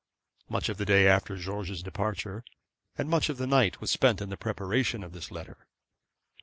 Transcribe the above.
Much of the day after George's departure, and much of the night, was spent in the preparation of this letter.